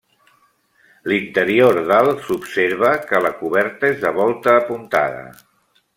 L'interior del s'observa que la coberta és de volta apuntada.